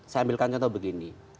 saya ambilkan contoh begini